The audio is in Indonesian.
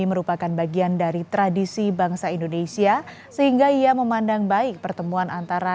merupakan bagian dari tradisi bangsa indonesia sehingga ia memandang baik pertemuan antara